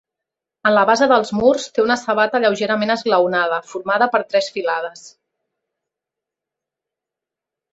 En la base dels murs, té una sabata lleugerament esglaonada, formada per tres filades.